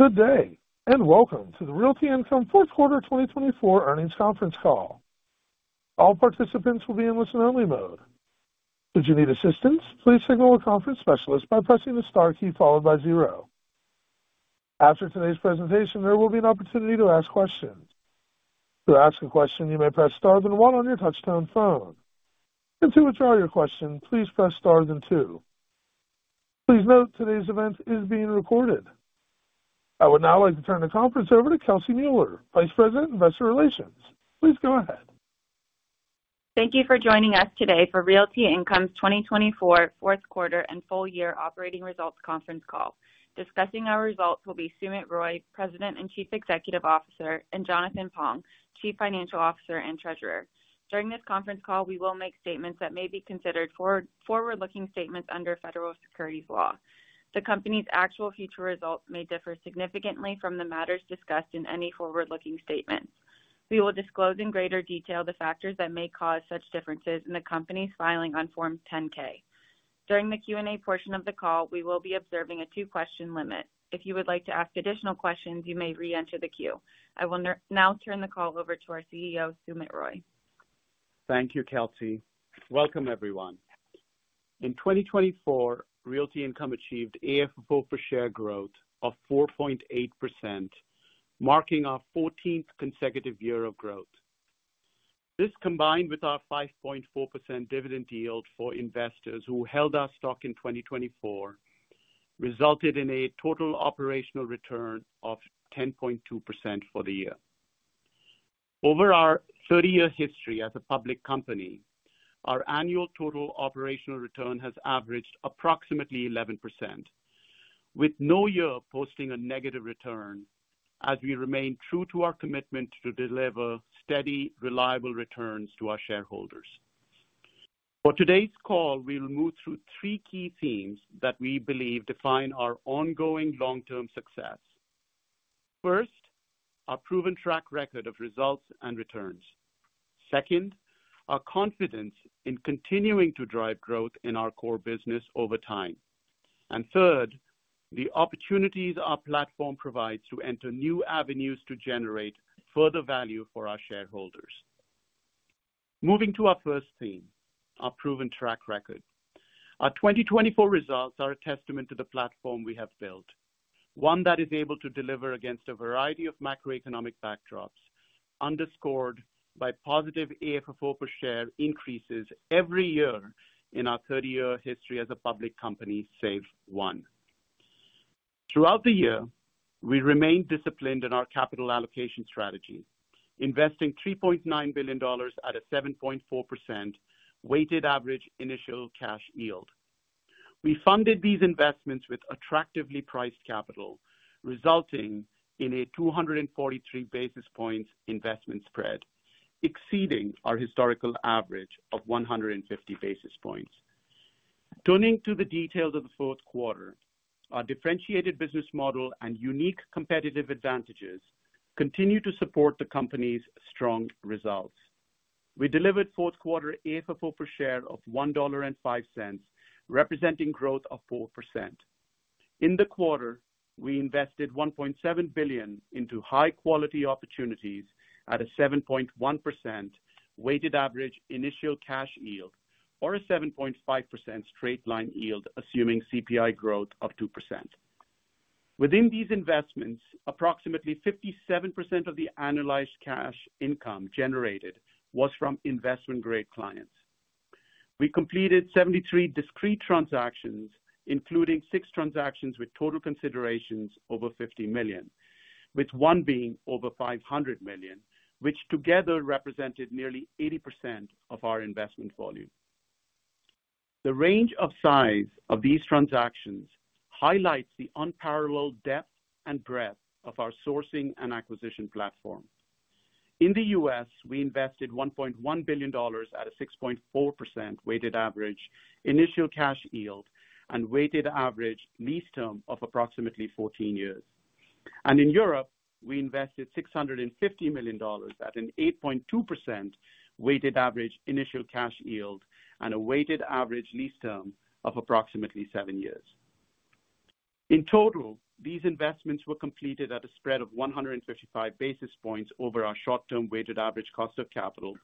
Good day, and welcome to the Realty Income Fourth Quarter 2024 Earnings Conference Call. All participants will be in listen-only mode. Should you need assistance, please signal a conference specialist by pressing the star key followed by zero. After today's presentation, there will be an opportunity to ask questions. To ask a question, you may press star then one on your touch-tone phone. And to withdraw your question, please press star then two. Please note today's event is being recorded. I would now like to turn the conference over to Kelsey Mueller, Vice President, Investor Relations. Please go ahead. Thank you for joining us today for Realty Income's 2024 Fourth Quarter and Full Year Operating Results Conference Call. Discussing our results will be Sumit Roy, President and Chief Executive Officer, and Jonathan Pong, Chief Financial Officer and Treasurer. During this conference call, we will make statements that may be considered forward-looking statements under federal securities law. The company's actual future results may differ significantly from the matters discussed in any forward-looking statements. We will disclose in greater detail the factors that may cause such differences in the company's filing on Form 10-K. During the Q&A portion of the call, we will be observing a two-question limit. If you would like to ask additional questions, you may re-enter the queue. I will now turn the call over to our CEO, Sumit Roy. Thank you, Kelsey. Welcome, everyone. In 2024, Realty Income achieved AFFO per share growth of 4.8%, marking our 14th consecutive year of growth. This, combined with our 5.4% dividend yield for investors who held our stock in 2024, resulted in a total operational return of 10.2% for the year. Over our 30-year history as a public company, our annual total operational return has averaged approximately 11%, with no year posting a negative return as we remain true to our commitment to deliver steady, reliable returns to our shareholders. For today's call, we will move through three key themes that we believe define our ongoing long-term success. First, our proven track record of results and returns. Second, our confidence in continuing to drive growth in our core business over time. And third, the opportunities our platform provides to enter new avenues to generate further value for our shareholders. Moving to our first theme, our proven track record. Our 2024 results are a testament to the platform we have built, one that is able to deliver against a variety of macroeconomic backdrops, underscored by positive AFFO per share increases every year in our 30-year history as a public company, save one. Throughout the year, we remained disciplined in our capital allocation strategy, investing $3.9 billion at a 7.4% weighted average initial cash yield. We funded these investments with attractively priced capital, resulting in a 243 basis points investment spread, exceeding our historical average of 150 basis points. Turning to the details of the fourth quarter, our differentiated business model and unique competitive advantages continue to support the company's strong results. We delivered fourth quarter AFFO per share of $1.05, representing growth of 4%. In the quarter, we invested $1.7 billion into high-quality opportunities at a 7.1% weighted average initial cash yield, or a 7.5% straight-line yield, assuming CPI growth of 2%. Within these investments, approximately 57% of the analyzed cash income generated was from investment-grade clients. We completed 73 discrete transactions, including six transactions with total considerations over $50 million, with one being over $500 million, which together represented nearly 80% of our investment volume. The range of size of these transactions highlights the unparalleled depth and breadth of our sourcing and acquisition platform. In the U.S., we invested $1.1 billion at a 6.4% weighted average initial cash yield and weighted average lease term of approximately 14 years. In Europe, we invested $650 million at an 8.2% weighted average initial cash yield and a weighted average lease term of approximately seven years. In total, these investments were completed at a spread of 155 basis points over our short-term weighted average cost of capital,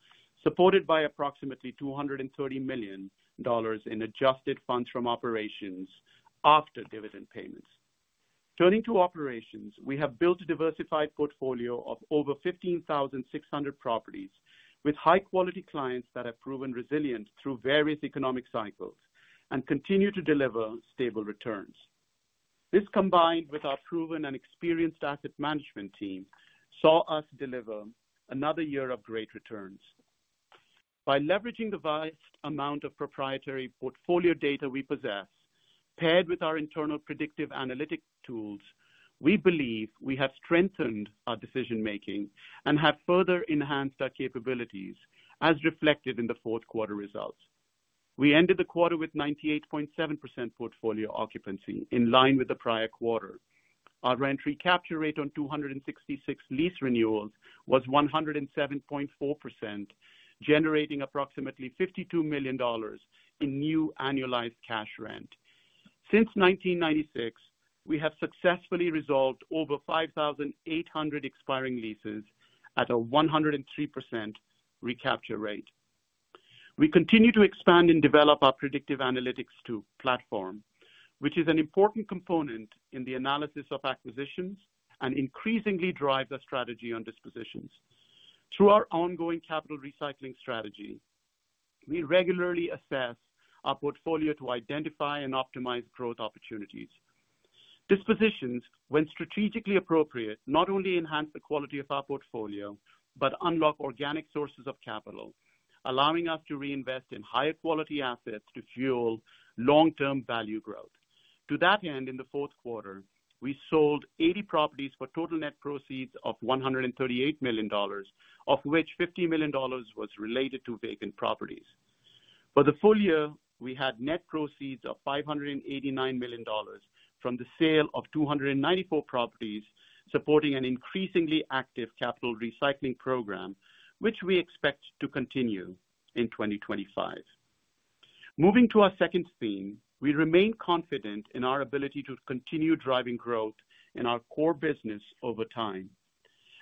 supported by approximately $230 million in adjusted funds from operations after dividend payments. Turning to operations, we have built a diversified portfolio of over 15,600 properties with high-quality clients that have proven resilient through various economic cycles and continue to deliver stable returns. This, combined with our proven and experienced asset management team, saw us deliver another year of great returns. By leveraging the vast amount of proprietary portfolio data we possess, paired with our internal predictive analytic tools, we believe we have strengthened our decision-making and have further enhanced our capabilities, as reflected in the fourth quarter results. We ended the quarter with 98.7% portfolio occupancy, in line with the prior quarter. Our rent recapture rate on 266 lease renewals was 107.4%, generating approximately $52 million in new annualized cash rent. Since 1996, we have successfully resolved over 5,800 expiring leases at a 103% recapture rate. We continue to expand and develop our predictive analytics platform, which is an important component in the analysis of acquisitions and increasingly drives our strategy on dispositions. Through our ongoing capital recycling strategy, we regularly assess our portfolio to identify and optimize growth opportunities. Dispositions, when strategically appropriate, not only enhance the quality of our portfolio but unlock organic sources of capital, allowing us to reinvest in higher quality assets to fuel long-term value growth. To that end, in the fourth quarter, we sold 80 properties for total net proceeds of $138 million, of which $50 million was related to vacant properties. For the full year, we had net proceeds of $589 million from the sale of 294 properties, supporting an increasingly active capital recycling program, which we expect to continue in 2025. Moving to our second theme, we remain confident in our ability to continue driving growth in our core business over time.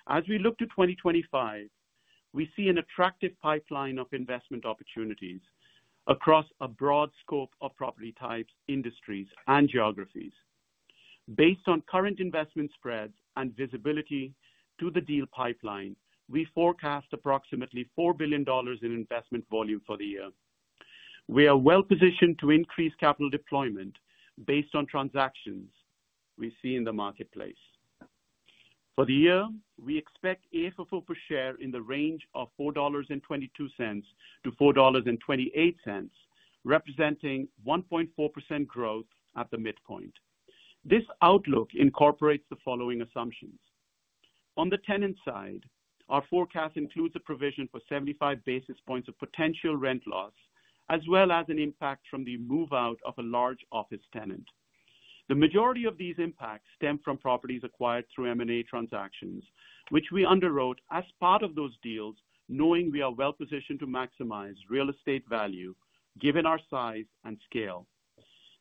As we look to 2025, we see an attractive pipeline of investment opportunities across a broad scope of property types, industries, and geographies. Based on current investment spreads and visibility to the deal pipeline, we forecast approximately $4 billion in investment volume for the year. We are well positioned to increase capital deployment based on transactions we see in the marketplace. For the year, we expect AFFO per share in the range of $4.22-$4.28, representing 1.4% growth at the midpoint. This outlook incorporates the following assumptions. On the tenant side, our forecast includes a provision for 75 basis points of potential rent loss, as well as an impact from the move-out of a large office tenant. The majority of these impacts stem from properties acquired through M&A transactions, which we underwrote as part of those deals, knowing we are well positioned to maximize real estate value given our size and scale.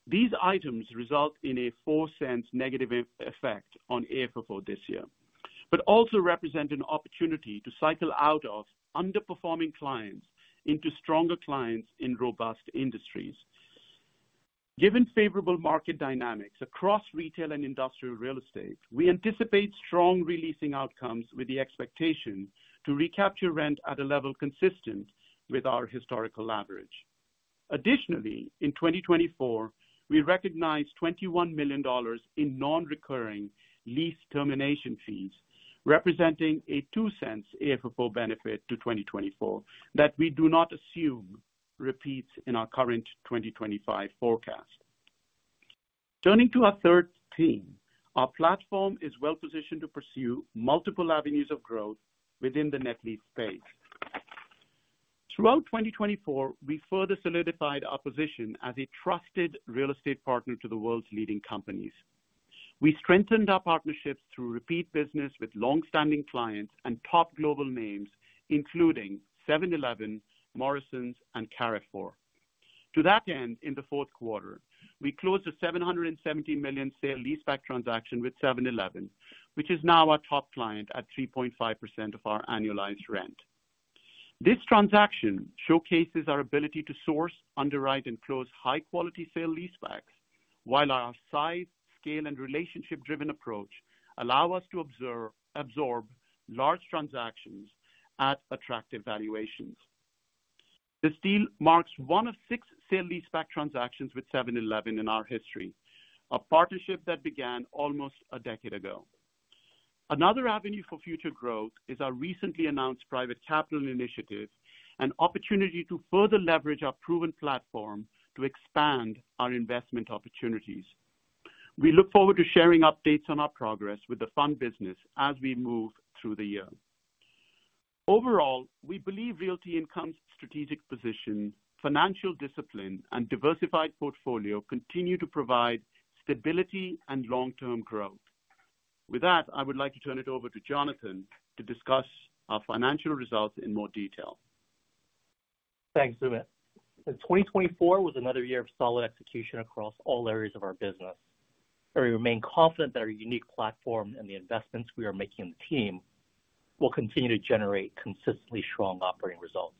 These items result in a $0.04 negative effect on AFFO this year, but also represent an opportunity to cycle out of underperforming clients into stronger clients in robust industries. Given favorable market dynamics across retail and industrial real estate, we anticipate strong re-leasing outcomes with the expectation to recapture rent at a level consistent with our historical average. Additionally, in 2024, we recognize $21 million in non-recurring lease termination fees, representing a $0.02 AFFO benefit to 2024 that we do not assume repeats in our current 2025 forecast. Turning to our third theme, our platform is well positioned to pursue multiple avenues of growth within the net lease space. Throughout 2024, we further solidified our position as a trusted real estate partner to the world's leading companies. We strengthened our partnerships through repeat business with longstanding clients and top global names, including 7-Eleven, Morrisons, and Carrefour. To that end, in the fourth quarter, we closed a $770 million sale-leaseback transaction with 7-Eleven, which is now our top client at 3.5% of our annualized rent. This transaction showcases our ability to source, underwrite, and close high-quality sale-leasebacks, while our size, scale, and relationship-driven approach allow us to absorb large transactions at attractive valuations. This deal marks one of six sale-leaseback transactions with 7-Eleven in our history, a partnership that began almost a decade ago. Another avenue for future growth is our recently announced private capital initiative, an opportunity to further leverage our proven platform to expand our investment opportunities. We look forward to sharing updates on our progress with the fund business as we move through the year. Overall, we believe Realty Income's strategic position, financial discipline, and diversified portfolio continue to provide stability and long-term growth. With that, I would like to turn it over to Jonathan to discuss our financial results in more detail. Thanks, Sumit. In 2024 was another year of solid execution across all areas of our business, where we remain confident that our unique platform and the investments we are making in the team will continue to generate consistently strong operating results.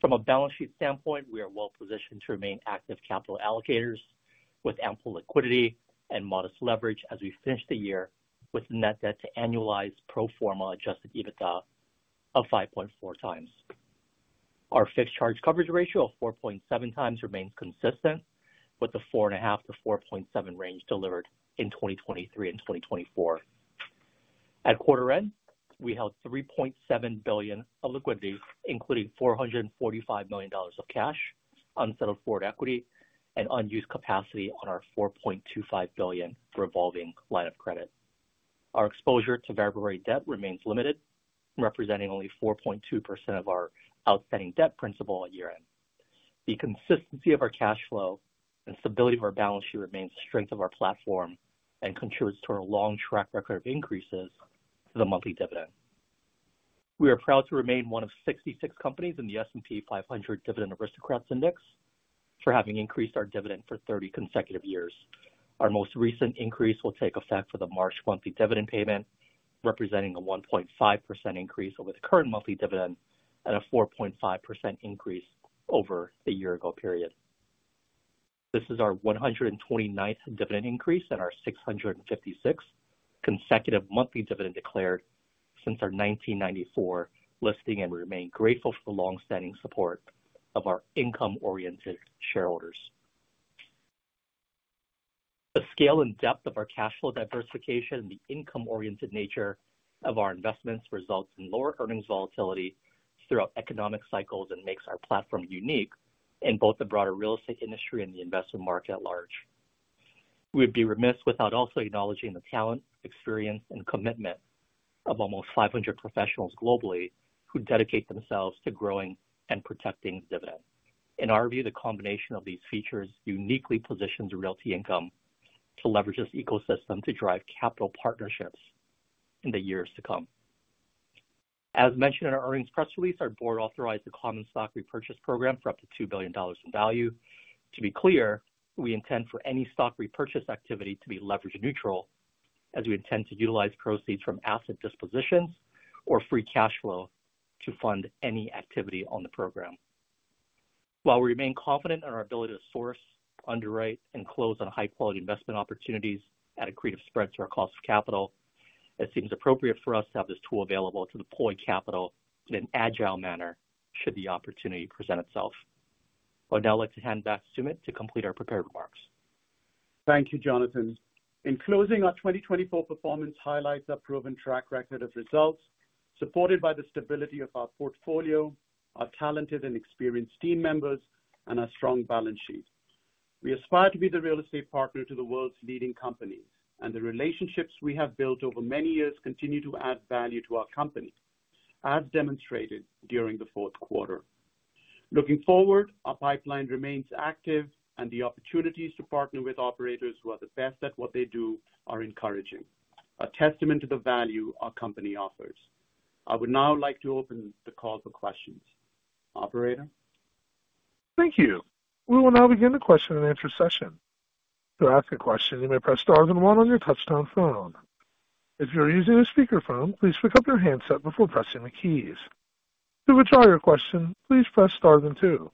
From a balance sheet standpoint, we are well positioned to remain active capital allocators with ample liquidity and modest leverage as we finish the year with net debt to annualized pro forma adjusted EBITDA of 5.4 times. Our fixed charge coverage ratio of 4.7 times remains consistent with the 4.5-4.7 range delivered in 2023 and 2024. At quarter end, we held $3.7 billion of liquidity, including $445 million of cash, unsettled forward equity, and unused capacity on our $4.25 billion revolving line of credit. Our exposure to variable rate debt remains limited, representing only 4.2% of our outstanding debt principal at year-end. The consistency of our cash flow and stability of our balance sheet remains the strength of our platform and contributes to our long track record of increases to the monthly dividend. We are proud to remain one of 66 companies in the S&P 500 Dividend Aristocrats Index for having increased our dividend for 30 consecutive years. Our most recent increase will take effect for the March monthly dividend payment, representing a 1.5% increase over the current monthly dividend and a 4.5% increase over the year-ago period. This is our 129th dividend increase and our 656th consecutive monthly dividend declared since our 1994 listing, and we remain grateful for the longstanding support of our income-oriented shareholders. The scale and depth of our cash flow diversification and the income-oriented nature of our investments results in lower earnings volatility throughout economic cycles and makes our platform unique in both the broader real estate industry and the investment market at large. We would be remiss without also acknowledging the talent, experience, and commitment of almost 500 professionals globally who dedicate themselves to growing and protecting dividends. In our view, the combination of these features uniquely positions Realty Income to leverage this ecosystem to drive capital partnerships in the years to come. As mentioned in our earnings press release, our board authorized a common stock repurchase program for up to $2 billion in value. To be clear, we intend for any stock repurchase activity to be leverage-neutral, as we intend to utilize proceeds from asset dispositions or free cash flow to fund any activity on the program. While we remain confident in our ability to source, underwrite, and close on high-quality investment opportunities at accretive spread to our cost of capital, it seems appropriate for us to have this tool available to deploy capital in an agile manner should the opportunity present itself. I would now like to hand back to Sumit to complete our prepared remarks. Thank you, Jonathan. In closing, our 2024 performance highlights our proven track record of results, supported by the stability of our portfolio, our talented and experienced team members, and our strong balance sheet. We aspire to be the real estate partner to the world's leading companies, and the relationships we have built over many years continue to add value to our company, as demonstrated during the fourth quarter. Looking forward, our pipeline remains active, and the opportunities to partner with operators who are the best at what they do are encouraging, a testament to the value our company offers. I would now like to open the call for questions. Operator? Thank you. We will now begin the question-and-answer session. To ask a question, you may press star and one on your touch-tone phone. If you are using a speakerphone, please pick up your handset before pressing the keys. To withdraw your question, please press star and two.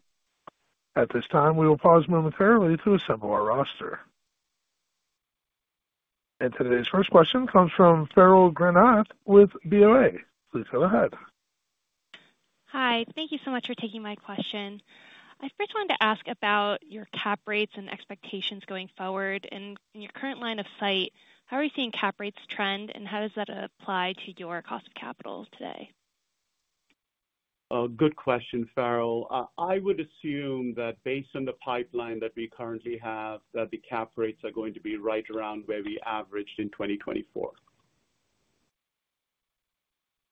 At this time, we will pause momentarily to assemble our roster. And today's first question comes from Farrell Granath with BOA. Please go ahead. Hi. Thank you so much for taking my question. I first wanted to ask about your cap rates and expectations going forward. In your current line of sight, how are you seeing cap rates trend, and how does that apply to your cost of capital today? Good question, Farrell. I would assume that based on the pipeline that we currently have, that the cap rates are going to be right around where we averaged in 2024.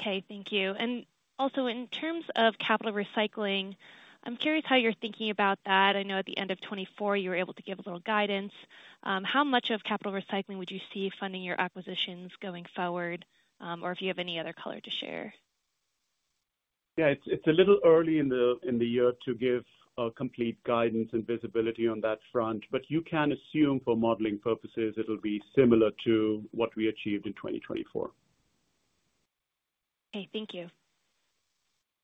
Okay. Thank you. And also, in terms of capital recycling, I'm curious how you're thinking about that. I know at the end of 2024, you were able to give a little guidance. How much of capital recycling would you see funding your acquisitions going forward, or if you have any other color to share? Yeah. It's a little early in the year to give complete guidance and visibility on that front, but you can assume for modeling purposes it'll be similar to what we achieved in 2024. Okay. Thank you.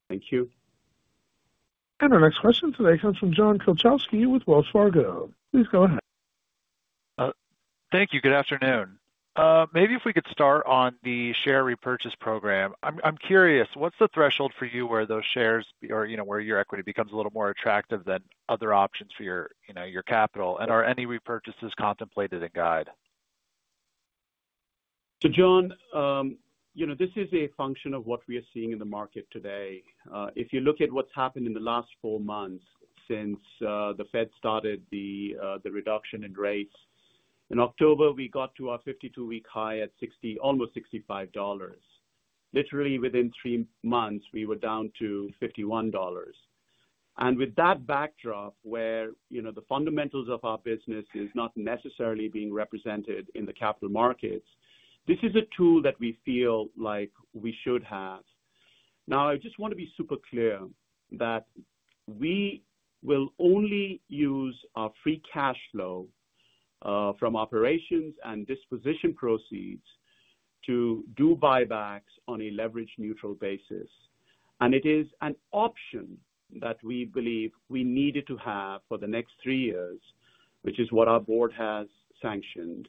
Thank you. And our next question today comes from John Kilichowski with Wells Fargo. Please go ahead. Thank you. Good afternoon. Maybe if we could start on the share repurchase program. I'm curious, what's the threshold for you where those shares or where your equity becomes a little more attractive than other options for your capital? And are any repurchases contemplated in Guide? John, this is a function of what we are seeing in the market today. If you look at what's happened in the last four months since the Fed started the reduction in rates, in October, we got to our 52-week high at almost $65. Literally, within three months, we were down to $51. With that backdrop, where the fundamentals of our business are not necessarily being represented in the capital markets, this is a tool that we feel like we should have. Now, I just want to be super clear that we will only use our free cash flow from operations and disposition proceeds to do buybacks on a leverage-neutral basis. And it is an option that we believe we needed to have for the next three years, which is what our board has sanctioned,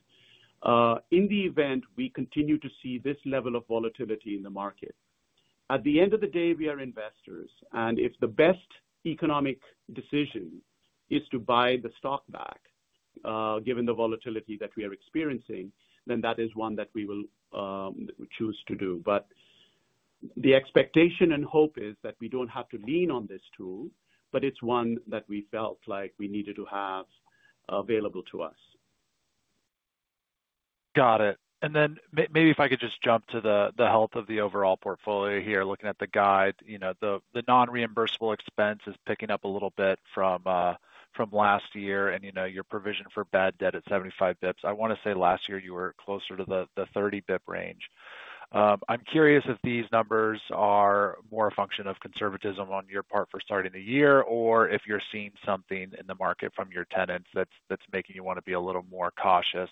in the event we continue to see this level of volatility in the market. At the end of the day, we are investors, and if the best economic decision is to buy the stock back, given the volatility that we are experiencing, then that is one that we will choose to do. But the expectation and hope is that we don't have to lean on this tool, but it's one that we felt like we needed to have available to us. Got it. And then maybe if I could just jump to the health of the overall portfolio here, looking at the Guide, the non-reimbursable expense is picking up a little bit from last year, and your provision for bad debt at 75 basis points. I want to say last year you were closer to the 30-basis-point range. I'm curious if these numbers are more a function of conservatism on your part for starting the year, or if you're seeing something in the market from your tenants that's making you want to be a little more cautious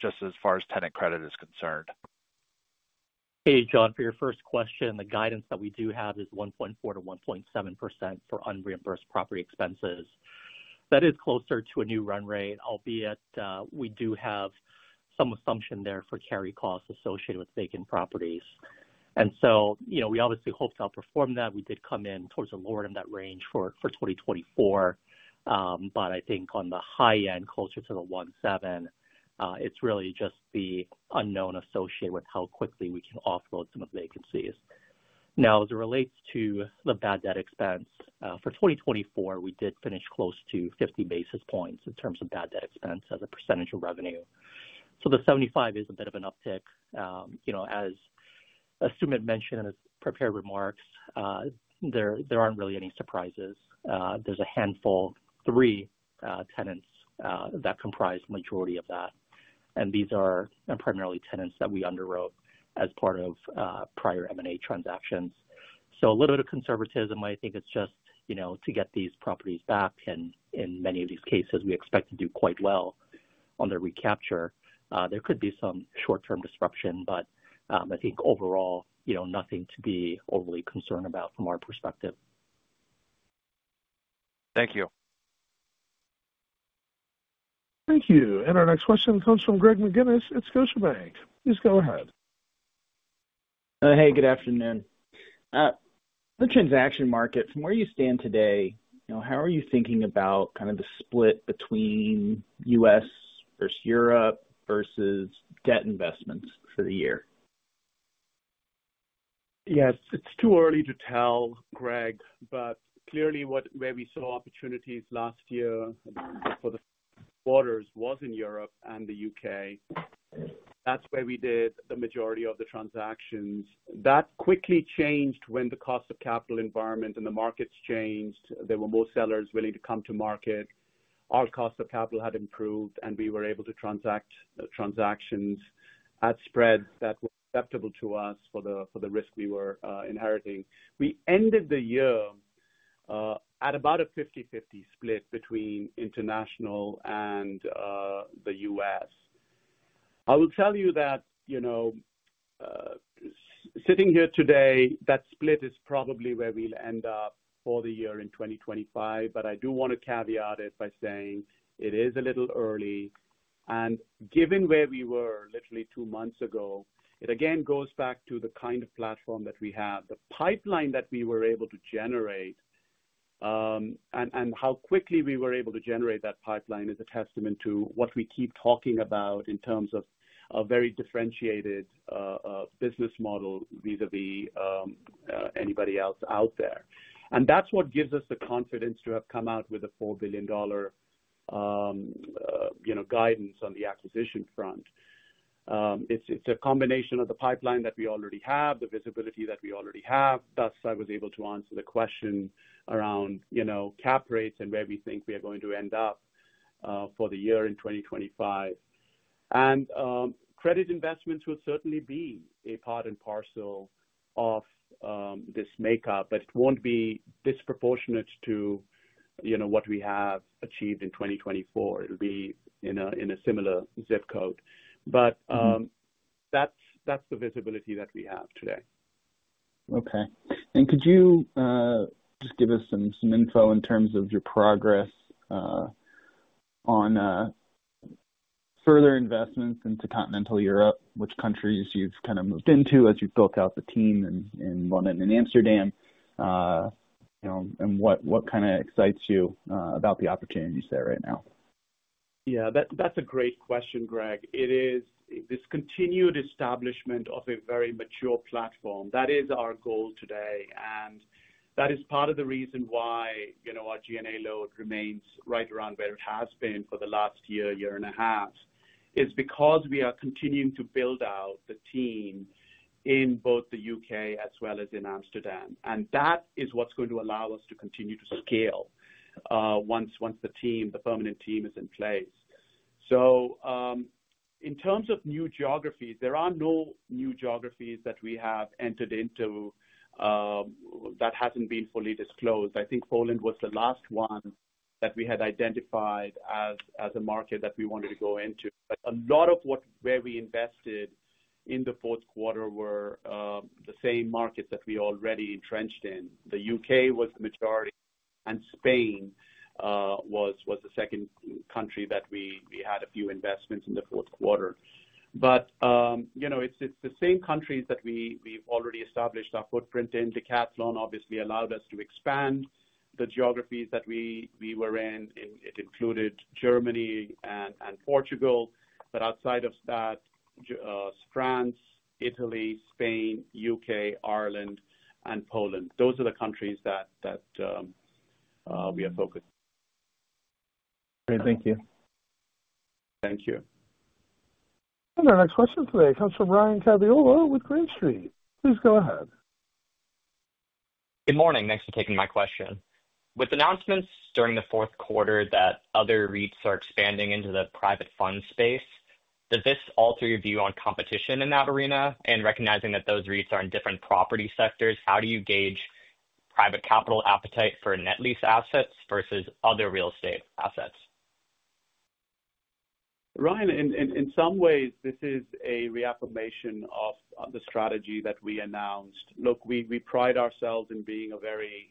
just as far as tenant credit is concerned? Hey, John, for your first question, the guidance that we do have is 1.4%-1.7% for unreimbursed property expenses. That is closer to a new run rate, albeit we do have some assumption there for carry costs associated with vacant properties. And so we obviously hope to outperform that. We did come in towards the lower end of that range for 2024, but I think on the high end, closer to the 1.7%, it's really just the unknown associated with how quickly we can offload some of the vacancies. Now, as it relates to the bad debt expense, for 2024, we did finish close to 50 basis points in terms of bad debt expense as a percentage of revenue. So the 75 is a bit of an uptick. As Sumit mentioned in his prepared remarks, there aren't really any surprises. There's a handful, three tenants that comprise the majority of that. And these are primarily tenants that we underwrote as part of prior M&A transactions. So a little bit of conservatism, I think, is just to get these properties back. And in many of these cases, we expect to do quite well on their recapture. There could be some short-term disruption, but I think overall, nothing to be overly concerned about from our perspective. Thank you. Thank you. And our next question comes from Greg McGinnis at Scotiabank. Please go ahead. Hey, good afternoon. The transaction market, from where you stand today, how are you thinking about kind of the split between U.S. versus Europe versus debt investments for the year? Yeah. It's too early to tell, Greg, but clearly where we saw opportunities last year for acquisitions was in Europe and the U.K. That's where we did the majority of the transactions. That quickly changed when the cost of capital environment and the markets changed. There were more sellers willing to come to market. Our cost of capital had improved, and we were able to transact transactions at spreads that were acceptable to us for the risk we were inheriting. We ended the year at about a 50/50 split between international and the U.S. I will tell you that sitting here today, that split is probably where we'll end up for the year in 2025, but I do want to caveat it by saying it is a little early. And given where we were literally two months ago, it again goes back to the kind of platform that we have. The pipeline that we were able to generate and how quickly we were able to generate that pipeline is a testament to what we keep talking about in terms of a very differentiated business model vis-à-vis anybody else out there. And that's what gives us the confidence to have come out with a $4 billion guidance on the acquisition front. It's a combination of the pipeline that we already have, the visibility that we already have. Thus, I was able to answer the question around cap rates and where we think we are going to end up for the year in 2025. And credit investments will certainly be a part and parcel of this makeup, but it won't be disproportionate to what we have achieved in 2024. It'll be in a similar zip code, but that's the visibility that we have today. Okay. And could you just give us some info in terms of your progress on further investments into continental Europe, which countries you've kind of moved into as you've built out the team in London and Amsterdam, and what kind of excites you about the opportunities there right now? Yeah. That's a great question, Greg. It is this continued establishment of a very mature platform. That is our goal today. And that is part of the reason why our G&A load remains right around where it has been for the last year, year and a half, is because we are continuing to build out the team in both the U.K. as well as in Amsterdam. And that is what's going to allow us to continue to scale once the team, the permanent team, is in place. So in terms of new geographies, there are no new geographies that we have entered into that hasn't been fully disclosed. I think Poland was the last one that we had identified as a market that we wanted to go into. But a lot of where we invested in the fourth quarter were the same markets that we already entrenched in. The U.K. was the majority, and Spain was the second country that we had a few investments in the fourth quarter. But it's the same countries that we've already established our footprint in. Decathlon obviously allowed us to expand the geographies that we were in. It included Germany and Portugal. But outside of that, France, Italy, Spain, U.K., Ireland, and Poland. Those are the countries that we are focused. Great. Thank you. Thank you. Our next question today comes from Ryan Caldarella with Green Street. Please go ahead. Good morning. Thanks for taking my question. With announcements during the fourth quarter that other REITs are expanding into the private fund space, does this alter your view on competition in that arena? And recognizing that those REITs are in different property sectors, how do you gauge private capital appetite for net lease assets versus other real estate assets? Ryan, in some ways, this is a reaffirmation of the strategy that we announced. Look, we pride ourselves in being a very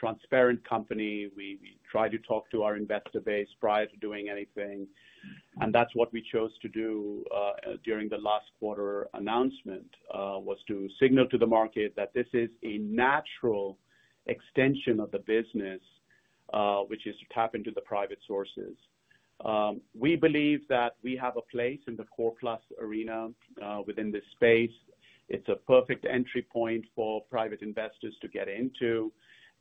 transparent company. We try to talk to our investor base prior to doing anything. And that's what we chose to do during the last quarter announcement, was to signal to the market that this is a natural extension of the business, which is to tap into the private sources. We believe that we have a place in the core plus arena within this space. It's a perfect entry point for private investors to get into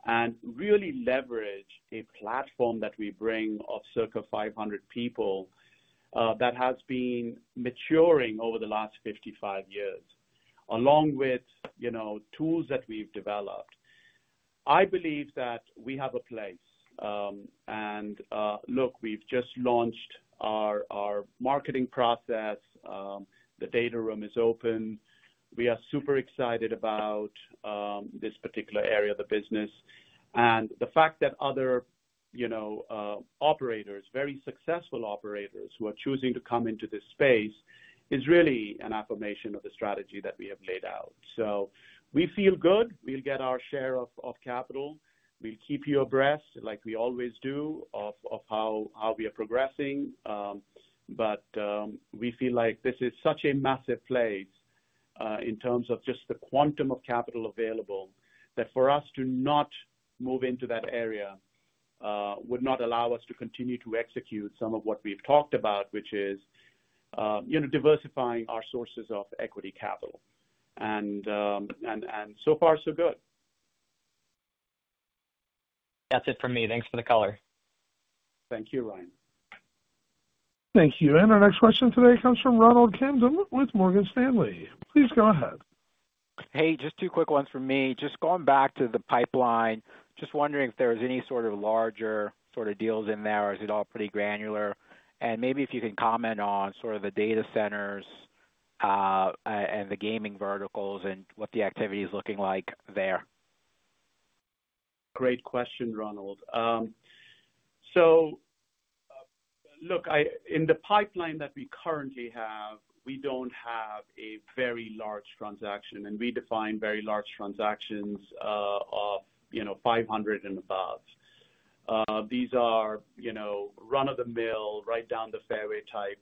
and really leverage a platform that we bring of circa 500 people that has been maturing over the last 55 years, along with tools that we've developed. I believe that we have a place. And look, we've just launched our marketing process. The data room is open. We are super excited about this particular area of the business. And the fact that other operators, very successful operators, who are choosing to come into this space is really an affirmation of the strategy that we have laid out. So we feel good. We'll get our share of capital. We'll keep you abreast, like we always do, of how we are progressing. But we feel like this is such a massive place in terms of just the quantum of capital available that for us to not move into that area would not allow us to continue to execute some of what we've talked about, which is diversifying our sources of equity capital. And so far, so good. That's it for me. Thanks for the color. Thank you, Ryan. Thank you. And our next question today comes from Ronald Kamdem with Morgan Stanley. Please go ahead. Hey, just two quick ones for me. Just going back to the pipeline, just wondering if there was any sort of larger sort of deals in there, or is it all pretty granular, and maybe if you can comment on sort of the data centers and the gaming verticals and what the activity is looking like there. Great question, Ronald. So look, in the pipeline that we currently have, we don't have a very large transaction, and we define very large transactions of 500 and above. These are run-of-the-mill, right-down-the-fairway type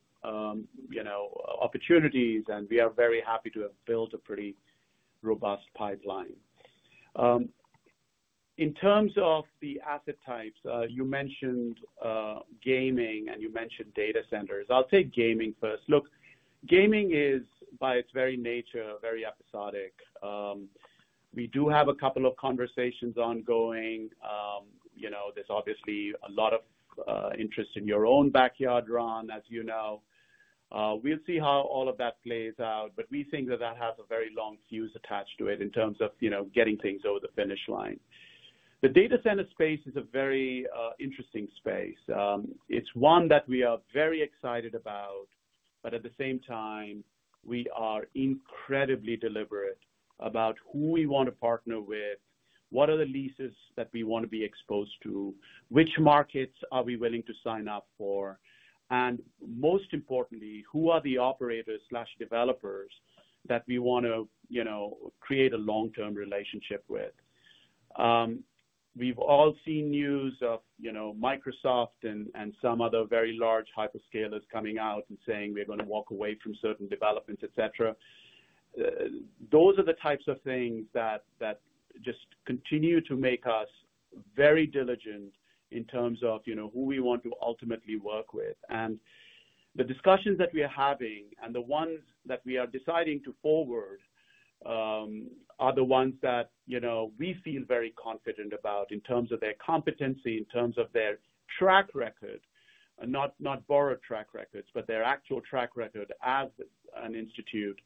opportunities, and we are very happy to have built a pretty robust pipeline. In terms of the asset types, you mentioned gaming, and you mentioned data centers. I'll take gaming first. Look, gaming is, by its very nature, very episodic. We do have a couple of conversations ongoing. There's obviously a lot of interest in your own backyard, Ron, as you know. We'll see how all of that plays out, but we think that that has a very long fuse attached to it in terms of getting things over the finish line. The data center space is a very interesting space. It's one that we are very excited about, but at the same time, we are incredibly deliberate about who we want to partner with, what are the leases that we want to be exposed to, which markets are we willing to sign up for, and most importantly, who are the operators/developers that we want to create a long-term relationship with. We've all seen news of Microsoft and some other very large hyperscalers coming out and saying, "We're going to walk away from certain developments," etc. Those are the types of things that just continue to make us very diligent in terms of who we want to ultimately work with. The discussions that we are having and the ones that we are deciding to forward are the ones that we feel very confident about in terms of their competency, in terms of their track record, not borrowed track records, but their actual track record as an institute,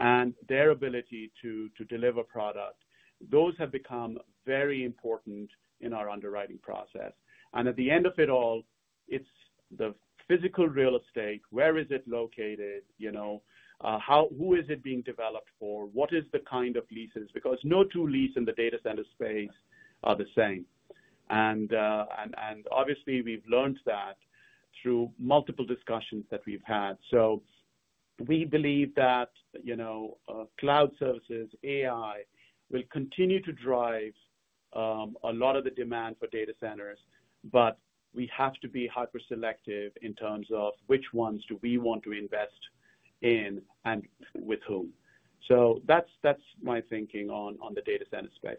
and their ability to deliver product. Those have become very important in our underwriting process. At the end of it all, it's the physical real estate. Where is it located? Who is it being developed for? What is the kind of leases? Because no two leases in the data center space are the same. Obviously, we've learned that through multiple discussions that we've had. So we believe that cloud services, AI, will continue to drive a lot of the demand for data centers, but we have to be hyper-selective in terms of which ones do we want to invest in and with whom. So that's my thinking on the data center space.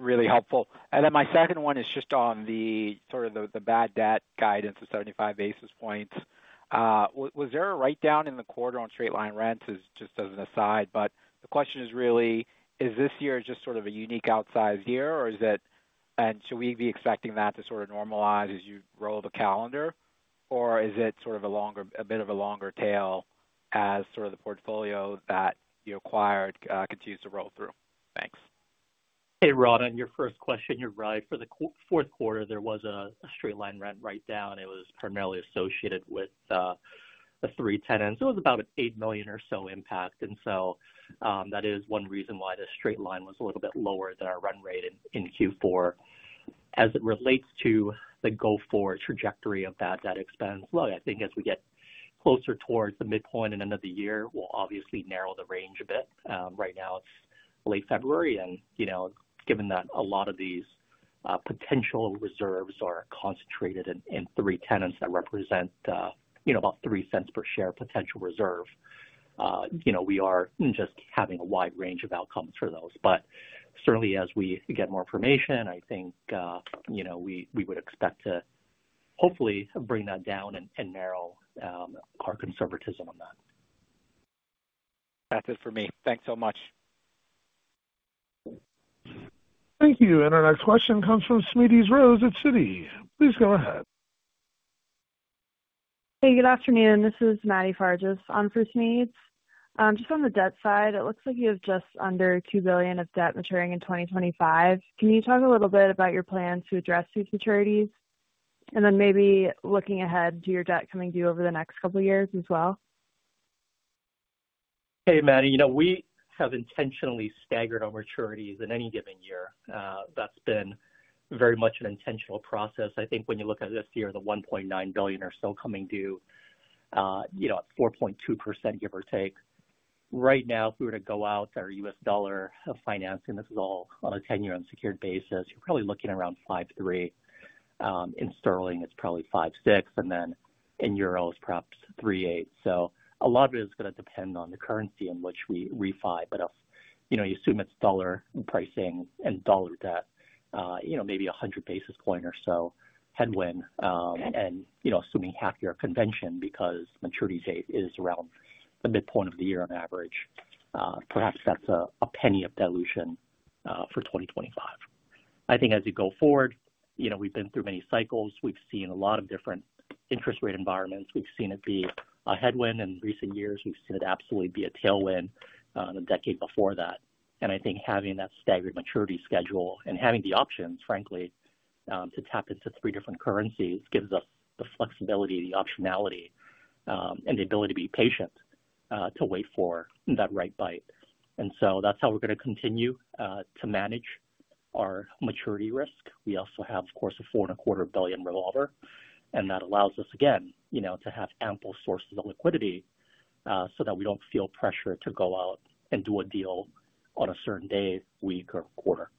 Really helpful. And then my second one is just on the sort of the bad debt guidance of 75 basis points. Was there a write-down in the quarter on straight-line rents? This just as an aside. But the question is really, is this year just sort of a unique outsize year, or is it, and should we be expecting that to sort of normalize as you roll the calendar? Or is it sort of a bit of a longer tail as sort of the portfolio that you acquired continues to roll through? Thanks. Hey, Ron. On your first question, you're right. For the fourth quarter, there was a straight-line rent write-down. It was primarily associated with the three tenants. It was about a $8 million or so impact. And so that is one reason why the straight-line was a little bit lower than our run rate in Q4. As it relates to the go-forward trajectory of that rent expense, look, I think as we get closer towards the midpoint and end of the year, we'll obviously narrow the range a bit. Right now, it's late February. And given that a lot of these potential reserves are concentrated in three tenants that represent about $0.03 per share potential reserve, we are just having a wide range of outcomes for those. But certainly, as we get more information, I think we would expect to hopefully bring that down and narrow our conservatism on that. That's it for me. Thanks so much. Thank you, and our next question comes from Smedes Rose at Citi. Please go ahead. Hey, good afternoon. This is Maddie Fargas on for Smedes. Just on the debt side, it looks like you have just under $2 billion of debt maturing in 2025. Can you talk a little bit about your plans to address these maturities? And then maybe looking ahead, do you have debt coming due over the next couple of years as well? Hey, Maddie, we have intentionally staggered our maturities in any given year. That's been very much an intentional process. I think when you look at this year, the $1.9 billion or so coming due at 4.2%, give or take. Right now, if we were to go out our US dollar of financing, this is all on a 10-year unsecured basis, you're probably looking around 5.3%. In sterling, it's probably 5.6%, and then in euros, perhaps 3.8%. So a lot of it is going to depend on the currency in which we refi. But if you assume it's dollar pricing and dollar debt, maybe 100 basis points or so headwind, and assuming half-year convention because maturity date is around the midpoint of the year on average, perhaps that's a penny of dilution for 2025. I think as you go forward, we've been through many cycles. We've seen a lot of different interest rate environments. We've seen it be a headwind in recent years. We've seen it absolutely be a tailwind the decade before that. And I think having that staggered maturity schedule and having the options, frankly, to tap into three different currencies gives us the flexibility, the optionality, and the ability to be patient to wait for that right bite. And so that's how we're going to continue to manage our maturity risk. We also have, of course, a $4.25 billion revolver. And that allows us, again, to have ample sources of liquidity so that we don't feel pressure to go out and do a deal on a certain day, week, or quarter.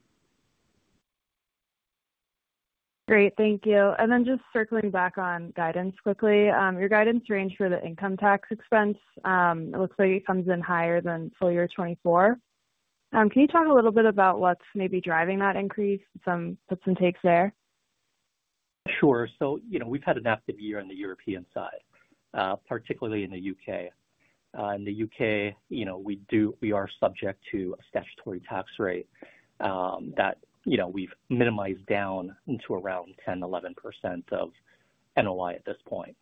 Great. Thank you. And then just circling back on guidance quickly, your guidance range for the income tax expense, it looks like it comes in higher than full year 2024. Can you talk a little bit about what's maybe driving that increase? Some tips and takes there. Sure, so we've had an active year on the European side, particularly in the U.K. In the U.K., we are subject to a statutory tax rate that we've minimized down to around 10%-11% of NOI at this point.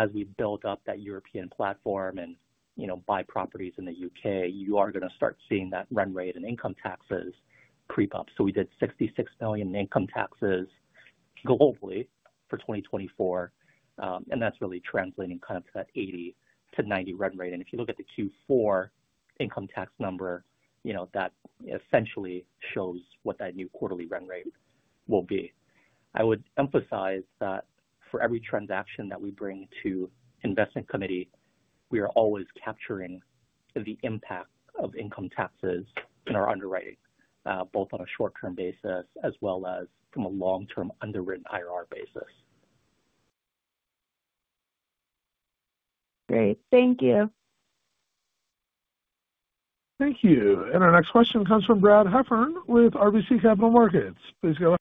As we build up that European platform and buy properties in the U.K., you are going to start seeing that run rate and income taxes creep up. We did $66 million in income taxes globally for 2024. That's really translating kind of to that $80 million-$90 million run rate. If you look at the Q4 income tax number, that essentially shows what that new quarterly run rate will be. I would emphasize that for every transaction that we bring to investment committee, we are always capturing the impact of income taxes in our underwriting, both on a short-term basis as well as from a long-term underwritten IRR basis. Great. Thank you. Thank you. And our next question comes from Brad Heffern with RBC Capital Markets. Please go ahead.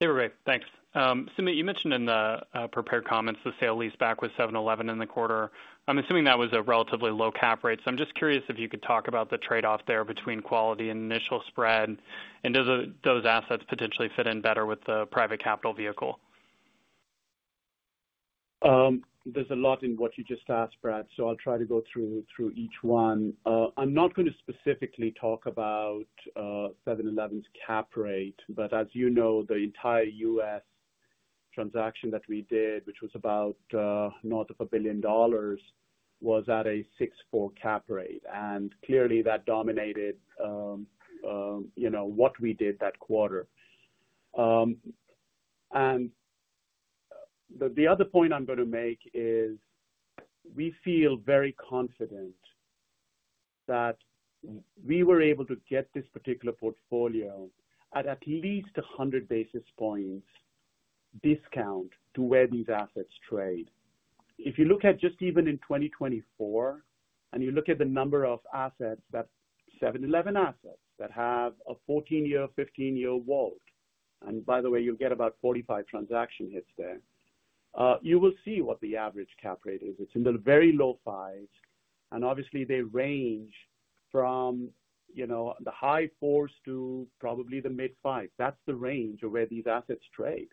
Hey, Rick. Thanks. Sumit, you mentioned in the prepared comments, the sale-leaseback was 7-Eleven in the quarter. I'm assuming that was a relatively low cap rate. So I'm just curious if you could talk about the trade-off there between quality and initial spread. And do those assets potentially fit in better with the private capital vehicle? There's a lot in what you just asked, Brad. So I'll try to go through each one. I'm not going to specifically talk about 7-Eleven's cap rate. But as you know, the entire U.S. transaction that we did, which was about north of $1 billion, was at a 6.4 cap rate. And clearly, that dominated what we did that quarter. And the other point I'm going to make is we feel very confident that we were able to get this particular portfolio at least 100 basis points discount to where these assets trade. If you look at just even in 2024, and you look at the number of assets, that 7-Eleven assets that have a 14-year, 15-year WALT. And by the way, you'll get about 45 transaction hits there. You will see what the average cap rate is. It's in the very low fives. And obviously, they range from the high four to probably the mid five. That's the range of where these assets trade.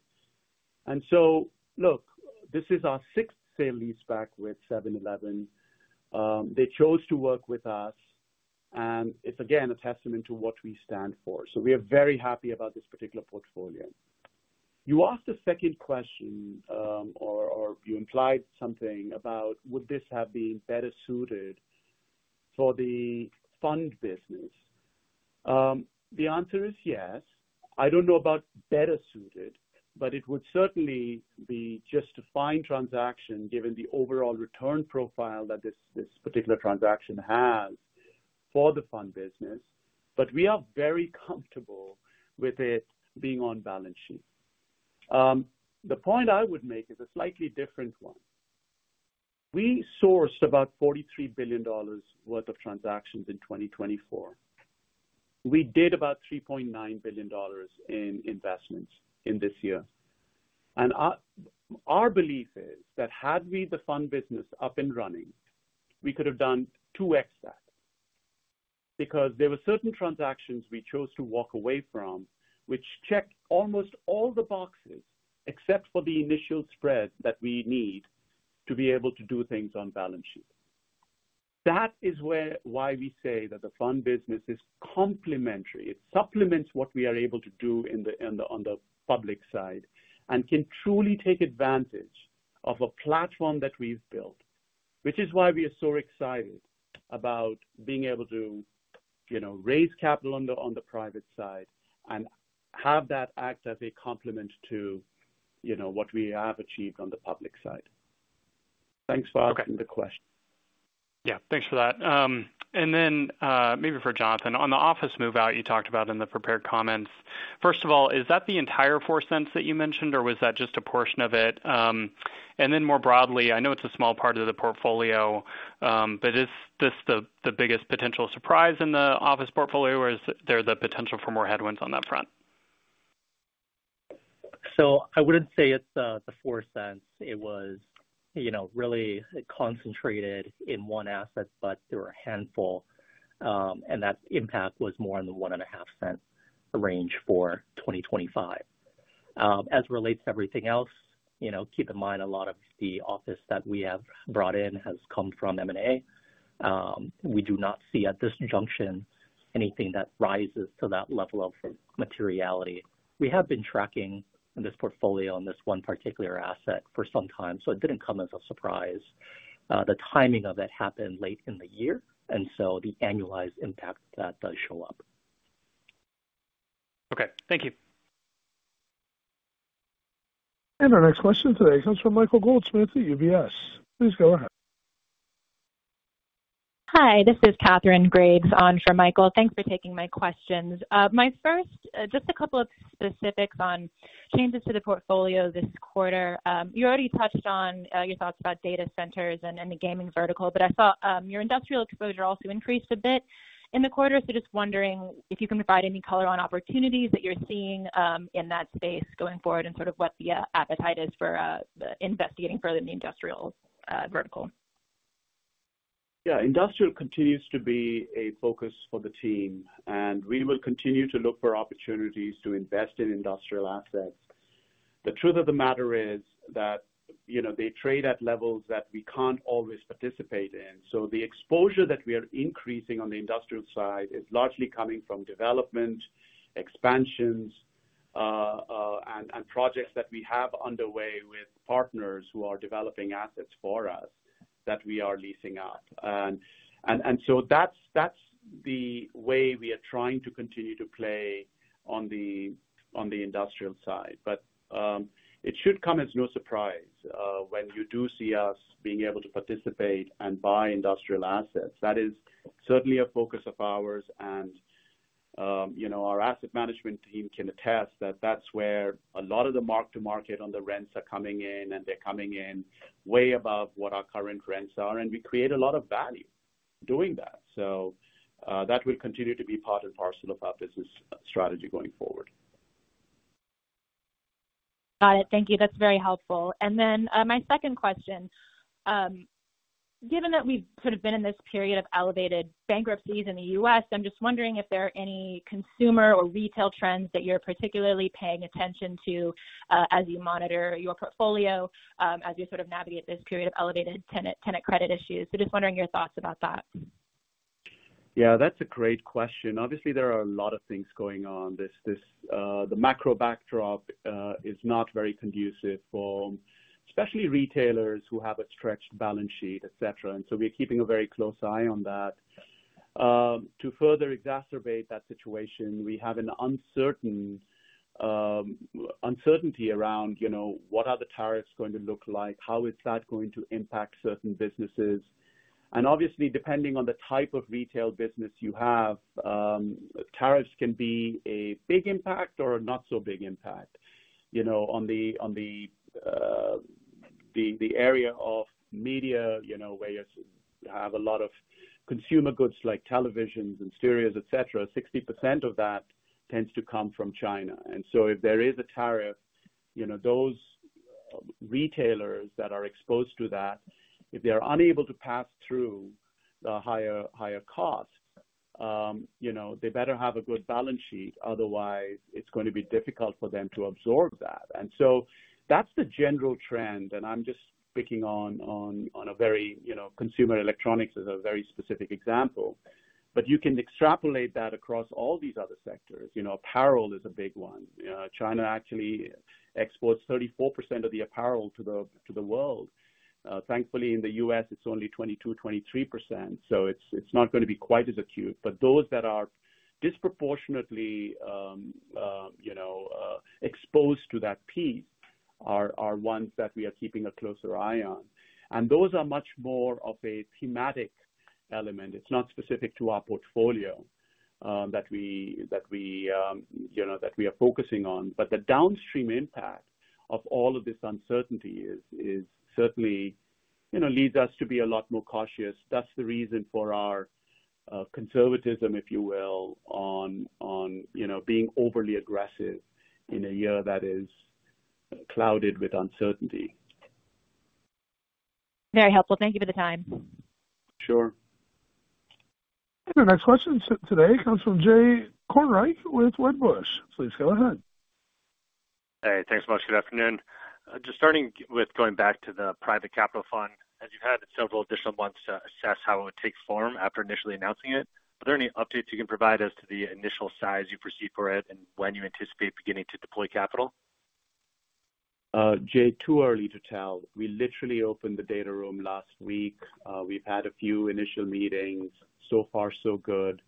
And so look, this is our sixth sale-leaseback with 7-Eleven. They chose to work with us. And it's, again, a testament to what we stand for. So we are very happy about this particular portfolio. You asked the second question, or you implied something about would this have been better suited for the fund business. The answer is yes. I don't know about better suited, but it would certainly be just a fine transaction given the overall return profile that this particular transaction has for the fund business. But we are very comfortable with it being on balance sheet. The point I would make is a slightly different one. We sourced about $43 billion worth of transactions in 2024. We did about $3.9 billion in investments in this year. And our belief is that had we the fund business up and running, we could have done 2x that. Because there were certain transactions we chose to walk away from, which checked almost all the boxes except for the initial spread that we need to be able to do things on balance sheet. That is why we say that the fund business is complementary. It supplements what we are able to do on the public side and can truly take advantage of a platform that we've built, which is why we are so excited about being able to raise capital on the private side and have that act as a complement to what we have achieved on the public side. Thanks for asking the question. Okay. Yeah. Thanks for that. And then maybe for Jonathan, on the office move-out you talked about in the prepared comments, first of all, is that the entire $0.04 that you mentioned, or was that just a portion of it? And then more broadly, I know it's a small part of the portfolio, but is this the biggest potential surprise in the office portfolio, or is there the potential for more headwinds on that front? So I wouldn't say it's the $0.04. It was really concentrated in one asset, but there were a handful. And that impact was more in the $0.015 range for 2025. As it relates to everything else, keep in mind a lot of the office that we have brought in has come from M&A. We do not see at this junction anything that rises to that level of materiality. We have been tracking this portfolio on this one particular asset for some time. So it didn't come as a surprise. The timing of that happened late in the year. And so the annualized impact of that does show up. Okay. Thank you. Our next question today comes from Michael Goldsmith at UBS. Please go ahead. Hi. This is Kathryn Graves on for Michael. Thanks for taking my questions. My first, just a couple of specifics on changes to the portfolio this quarter. You already touched on your thoughts about data centers and the gaming vertical, but I saw your industrial exposure also increased a bit in the quarter. So just wondering if you can provide any color on opportunities that you're seeing in that space going forward and sort of what the appetite is for investigating further in the industrial vertical. Yeah. Industrial continues to be a focus for the team. And we will continue to look for opportunities to invest in industrial assets. The truth of the matter is that they trade at levels that we can't always participate in. So the exposure that we are increasing on the industrial side is largely coming from development, expansions, and projects that we have underway with partners who are developing assets for us that we are leasing out. And so that's the way we are trying to continue to play on the industrial side. But it should come as no surprise when you do see us being able to participate and buy industrial assets. That is certainly a focus of ours. Our asset management team can attest that that's where a lot of the mark-to-market on the rents are coming in, and they're coming in way above what our current rents are. We create a lot of value doing that. That will continue to be part and parcel of our business strategy going forward. Got it. Thank you. That's very helpful, and then my second question, given that we've sort of been in this period of elevated bankruptcies in the U.S., I'm just wondering if there are any consumer or retail trends that you're particularly paying attention to as you monitor your portfolio as you sort of navigate this period of elevated tenant credit issues. So just wondering your thoughts about that. Yeah. That's a great question. Obviously, there are a lot of things going on. The macro backdrop is not very conducive for especially retailers who have a stretched balance sheet, etc. And so we're keeping a very close eye on that. To further exacerbate that situation, we have an uncertainty around what are the tariffs going to look like, how is that going to impact certain businesses. And obviously, depending on the type of retail business you have, tariffs can be a big impact or a not-so-big impact. On the area of media where you have a lot of consumer goods like televisions and stereos, etc., 60% of that tends to come from China. And so if there is a tariff, those retailers that are exposed to that, if they are unable to pass through the higher costs, they better have a good balance sheet. Otherwise, it's going to be difficult for them to absorb that. And so that's the general trend. And I'm just picking on a very consumer electronics as a very specific example. But you can extrapolate that across all these other sectors. Apparel is a big one. China actually exports 34% of the apparel to the world. Thankfully, in the U.S., it's only 22%-23%. So it's not going to be quite as acute. But those that are disproportionately exposed to that piece are ones that we are keeping a closer eye on. And those are much more of a thematic element. It's not specific to our portfolio that we are focusing on. But the downstream impact of all of this uncertainty is certainly leads us to be a lot more cautious. That's the reason for our conservatism, if you will, on being overly aggressive in a year that is clouded with uncertainty. Very helpful. Thank you for the time. Sure. Our next question today comes from Jay Kornreich with Wedbush. Please go ahead. Hey. Thanks so much. Good afternoon. Just starting with going back to the private capital fund, as you had several additional months to assess how it would take form after initially announcing it, are there any updates you can provide as to the initial size you foresee for it and when you anticipate beginning to deploy capital? Jay, too early to tell. We literally opened the data room last week. We've had a few initial meetings. So far, so good.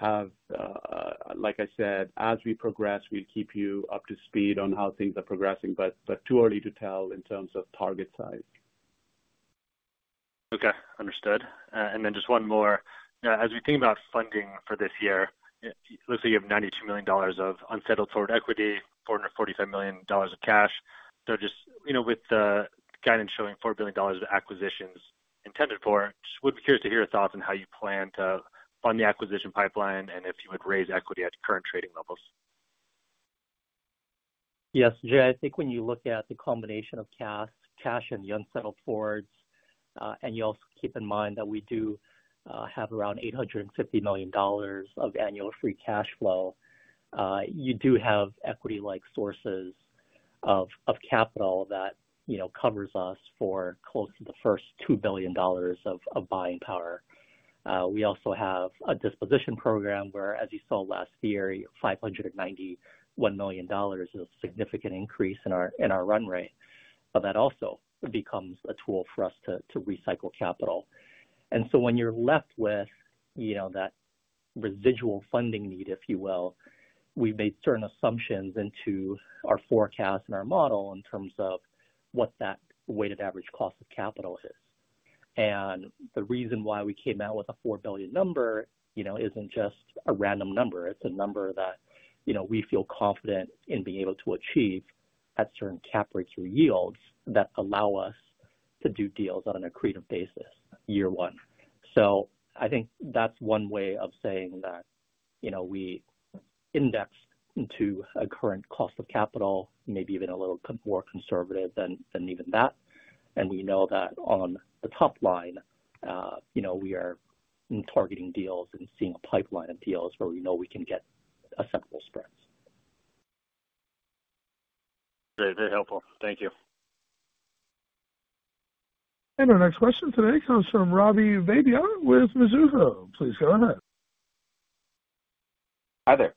Like I said, as we progress, we'll keep you up to speed on how things are progressing. But too early to tell in terms of target size. Okay. Understood, and then just one more. As we think about funding for this year, it looks like you have $92 million of unsettled sort of equity, $445 million of cash, so just with the guidance showing $4 billion of acquisitions intended for, just would be curious to hear your thoughts on how you plan to fund the acquisition pipeline and if you would raise equity at current trading levels. Yes. Jay, I think when you look at the combination of cash and the unsettled forwards, and you also keep in mind that we do have around $850 million of annual free cash flow, you do have equity-like sources of capital that covers us for close to the first $2 billion of buying power. We also have a disposition program where, as you saw last year, $591 million is a significant increase in our run rate. But that also becomes a tool for us to recycle capital. And so when you're left with that residual funding need, if you will, we've made certain assumptions into our forecast and our model in terms of what that weighted average cost of capital is. And the reason why we came out with a $4 billion number isn't just a random number. It's a number that we feel confident in being able to achieve at certain cap rates or yields that allow us to do deals on an accretive basis year one. So I think that's one way of saying that we indexed to a current cost of capital, maybe even a little more conservative than even that. And we know that on the top line, we are targeting deals and seeing a pipeline of deals where we know we can get acceptable spreads. Very, very helpful. Thank you. Our next question today comes from Ravi Vaidya with Mizuho. Please go ahead. Hi there.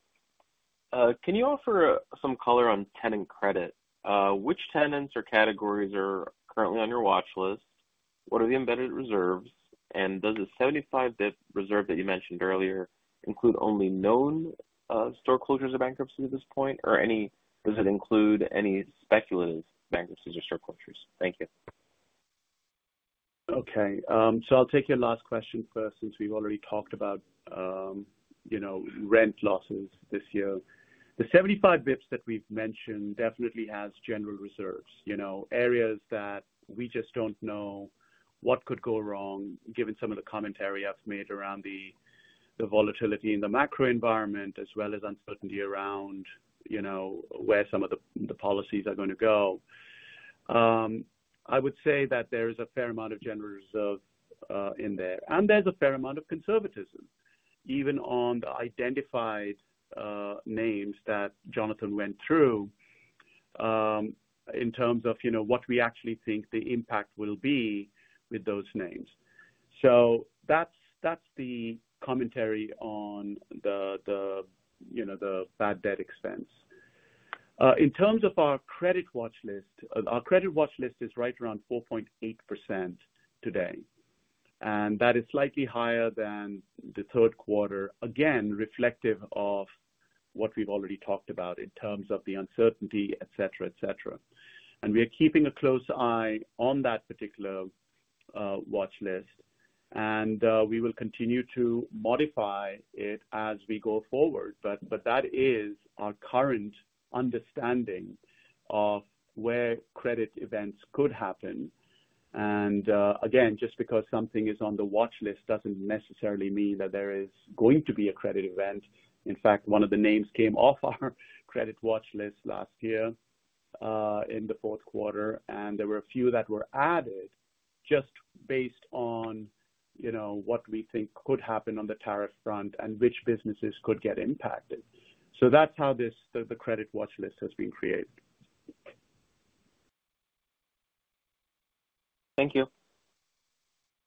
Can you offer some color on tenant credit? Which tenants or categories are currently on your watch list? What are the embedded reserves? And does the 75 basis point reserve that you mentioned earlier include only known store closures or bankruptcies at this point? Or does it include any speculative bankruptcies or store closures? Thank you. Okay. I'll take your last question first since we've already talked about rent losses this year. The 75 basis points that we've mentioned definitely has general reserves, areas that we just don't know what could go wrong given some of the commentary I've made around the volatility in the macro environment as well as uncertainty around where some of the policies are going to go. I would say that there is a fair amount of general reserve in there, and there's a fair amount of conservatism, even on the identified names that Jonathan went through in terms of what we actually think the impact will be with those names. That's the commentary on the bad debt expense. In terms of our credit watch list, our credit watch list is right around 4.8% today. That is slightly higher than the third quarter, again, reflective of what we've already talked about in terms of the uncertainty, etc., etc. We are keeping a close eye on that particular watch list. We will continue to remove it as we go forward. That is our current understanding of where credit events could happen. Again, just because something is on the watch list doesn't necessarily mean that there is going to be a credit event. In fact, one of the names came off our credit watch list last year in the fourth quarter. There were a few that were added just based on what we think could happen on the tariff front and which businesses could get impacted. That's how the credit watch list has been created. Thank you.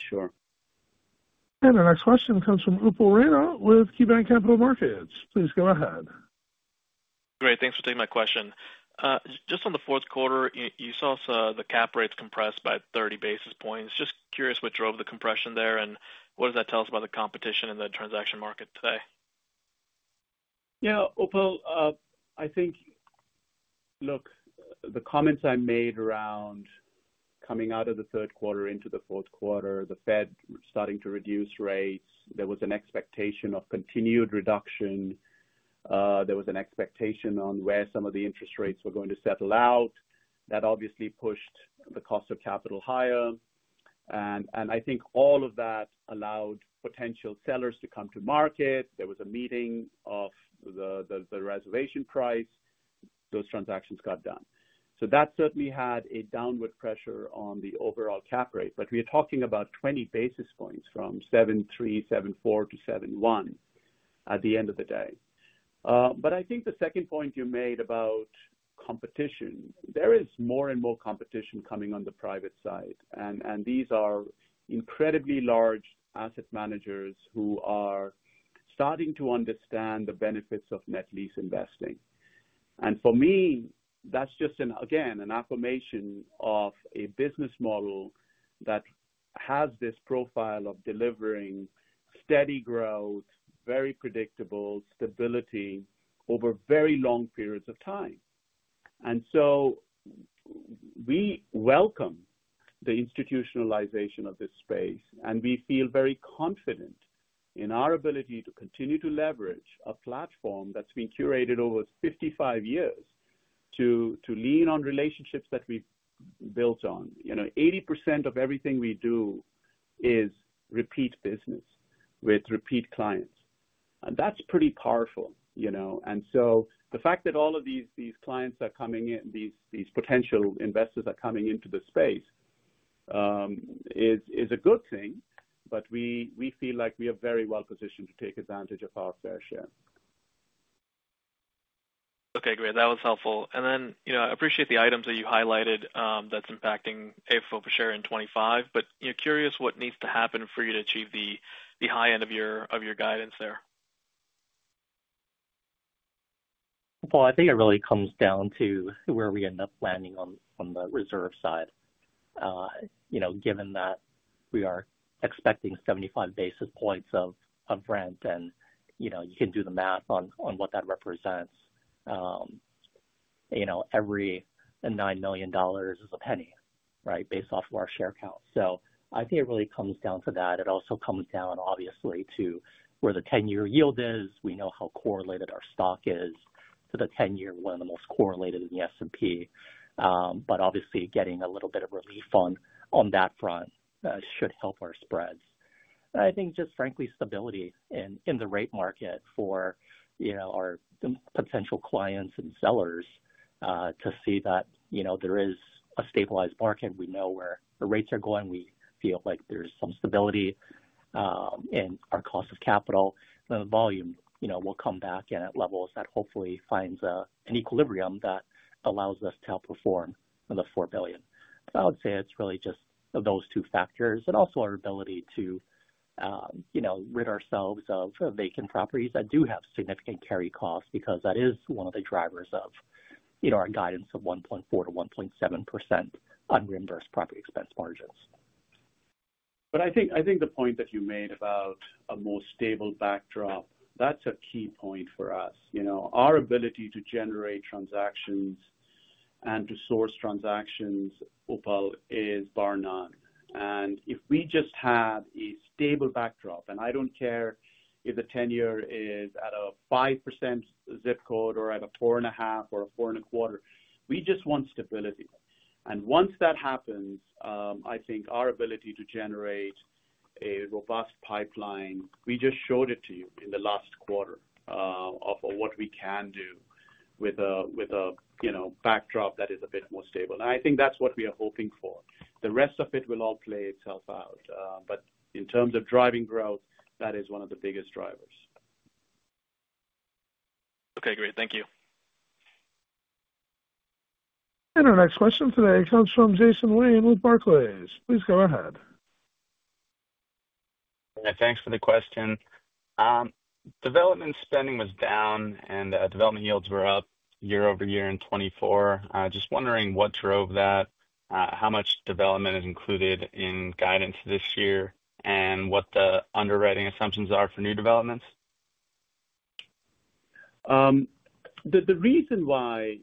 Sure. Our next question comes from Upal Rana with KeyBanc Capital Markets. Please go ahead. Great. Thanks for taking my question. Just on the fourth quarter, you saw the cap rates compressed by 30 basis points. Just curious what drove the compression there and what does that tell us about the competition in the transaction market today? Yeah. Well, I think, look, the comments I made around coming out of the third quarter into the fourth quarter, the Fed starting to reduce rates, there was an expectation of continued reduction. There was an expectation on where some of the interest rates were going to settle out. That obviously pushed the cost of capital higher, and I think all of that allowed potential sellers to come to market. There was a meeting of the reservation price. Those transactions got done, so that certainly had a downward pressure on the overall cap rate, but we are talking about 20 basis points from 7.3%-7.4% to 7.1% at the end of the day. I think the second point you made about competition, there is more and more competition coming on the private side. And these are incredibly large asset managers who are starting to understand the benefits of net lease investing. And for me, that's just, again, an affirmation of a business model that has this profile of delivering steady growth, very predictable stability over very long periods of time. And so we welcome the institutionalization of this space. And we feel very confident in our ability to continue to leverage a platform that's been curated over 55 years to lean on relationships that we've built on. 80% of everything we do is repeat business with repeat clients. And that's pretty powerful. And so the fact that all of these clients are coming in, these potential investors are coming into the space is a good thing. But we feel like we are very well positioned to take advantage of our fair share. Okay. Great. That was helpful. And then I appreciate the items that you highlighted that's impacting AFFO for sure in 2025. But curious what needs to happen for you to achieve the high end of your guidance there. I think it really comes down to where we end up landing on the reserve side. Given that we are expecting 75 basis points of rent, and you can do the math on what that represents, every $9 million is a penny, right, based off of our share count. I think it really comes down to that. It also comes down, obviously, to where the 10-year yield is. We know how correlated our stock is to the 10-year, one of the most correlated in the S&P. Obviously, getting a little bit of relief on that front should help our spreads. I think just, frankly, stability in the rate market for our potential clients and sellers to see that there is a stabilized market. We know where the rates are going. We feel like there's some stability in our cost of capital. And the volume will come back in at levels that hopefully finds an equilibrium that allows us to outperform the $4 billion. So I would say it's really just those two factors and also our ability to rid ourselves of vacant properties that do have significant carry costs because that is one of the drivers of our guidance of 1.4%-1.7% unreimbursed property expense margins. But I think the point that you made about a more stable backdrop, that's a key point for us. Our ability to generate transactions and to source transactions overall is bar none. And if we just have a stable backdrop, and I don't care if the 10-year is at a 5% zip code or at a 4.5% or a 4.25%, we just want stability. And once that happens, I think our ability to generate a robust pipeline, we just showed it to you in the last quarter of what we can do with a backdrop that is a bit more stable. And I think that's what we are hoping for. The rest of it will all play itself out. But in terms of driving growth, that is one of the biggest drivers. Okay. Great. Thank you. Our next question today comes from Jason Wayne with Barclays. Please go ahead. Thanks for the question. Development spending was down, and development yields were up year over year in 2024. Just wondering what drove that, how much development is included in guidance this year, and what the underwriting assumptions are for new developments? The reason why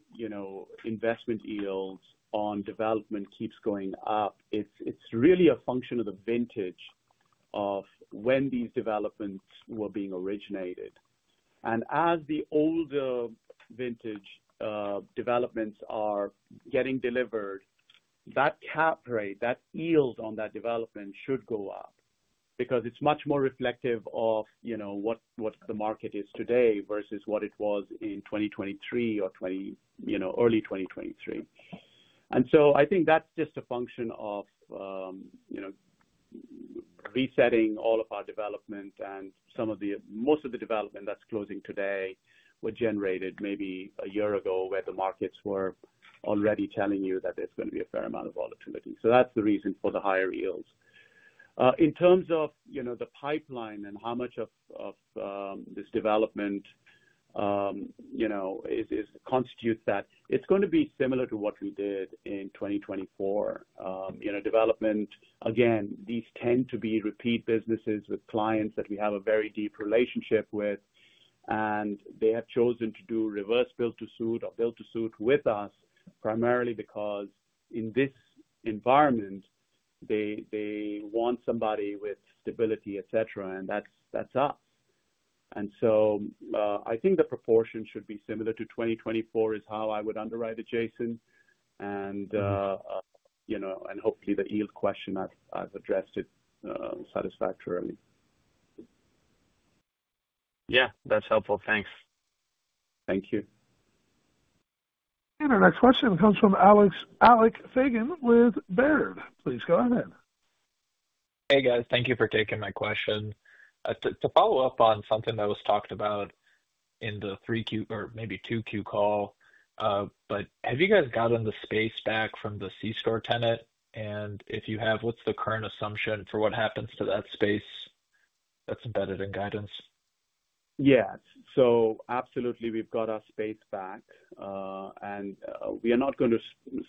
investment yields on development keeps going up. It's really a function of the vintage of when these developments were being originated. And as the older vintage developments are getting delivered, that cap rate, that yield on that development should go up because it's much more reflective of what the market is today versus what it was in 2023 or early 2023. And so I think that's just a function of resetting all of our development. And most of the development that's closing today were generated maybe a year ago, where the markets were already telling you that there's going to be a fair amount of volatility. So that's the reason for the higher yields. In terms of the pipeline and how much of this development constitutes that, it's going to be similar to what we did in 2024. Development, again, these tend to be repeat businesses with clients that we have a very deep relationship with. And they have chosen to do reverse build-to-suit or build-to-suit with us primarily because in this environment, they want somebody with stability, etc., and that's us. And so I think the proportion should be similar to 2024 is how I would underwrite it, Jason. And hopefully, the yield question, I've addressed it satisfactorily. Yeah. That's helpful. Thanks. Thank you. And our next question comes from Alex Fagan with Baird. Please go ahead. Hey, guys. Thank you for taking my question. To follow up on something that was talked about in the Q3 or maybe Q2 call, but have you guys gotten the space back from the C-store tenant? And if you have, what's the current assumption for what happens to that space that's embedded in guidance? Yes. So absolutely, we've got our space back. And we are not going to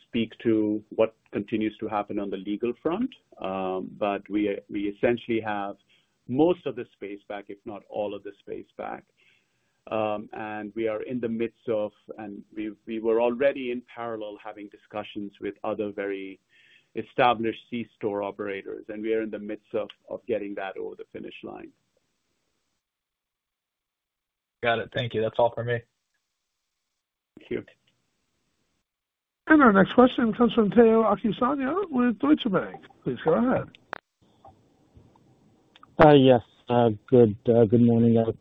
speak to what continues to happen on the legal front. But we essentially have most of the space back, if not all of the space back. And we are in the midst of, and we were already in parallel having discussions with other very established C-store operators. And we are in the midst of getting that over the finish line. Got it. Thank you. That's all for me. Thank you. And our next question comes from Tayo Okusanya with Deutsche Bank. Please go ahead. Yes. Good morning, Alex.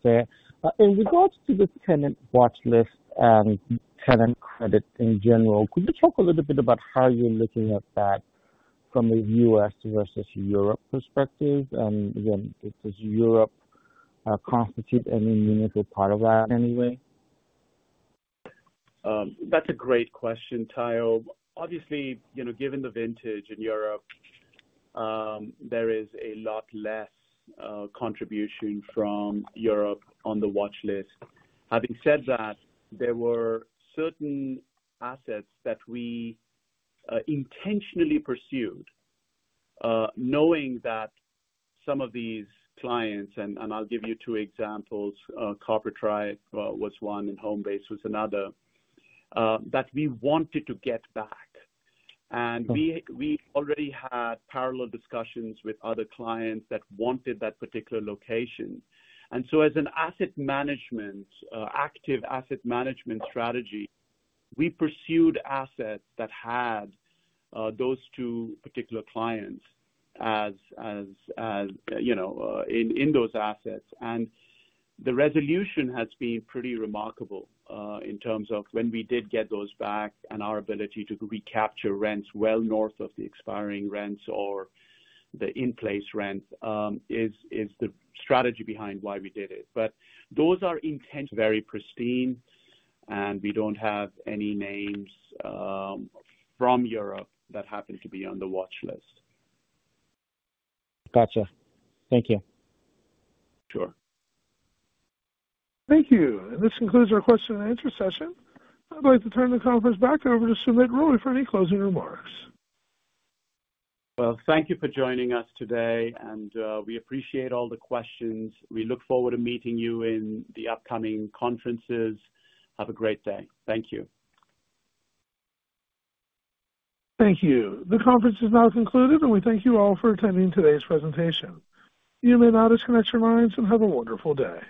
In regards to the tenant watch list and tenant credit in general, could you talk a little bit about how you're looking at that from a U.S. versus Europe perspective? And again, does Europe constitute an immaterial part of that in any way? That's a great question, Tayo. Obviously, given the vintage in Europe, there is a lot less contribution from Europe on the watch list. Having said that, there were certain assets that we intentionally pursued, knowing that some of these clients, and I'll give you two examples. Carpetright was one and Homebase was another, that we wanted to get back. And we already had parallel discussions with other clients that wanted that particular location. And so as an active asset management strategy, we pursued assets that had those two particular clients in those assets. And the resolution has been pretty remarkable in terms of when we did get those back and our ability to recapture rents well north of the expiring rents or the in-place rent is the strategy behind why we did it. But those are intact very pristine. We don't have any names from Europe that happen to be on the watch list. Gotcha. Thank you. Sure. Thank you. This concludes our question and answer session. I'd like to turn the conference back over to Sumit Roy for any closing remarks. Thank you for joining us today. We appreciate all the questions. We look forward to meeting you in the upcoming conferences. Have a great day. Thank you. Thank you. The conference is now concluded. And we thank you all for attending today's presentation. You may now disconnect your lines and have a wonderful day.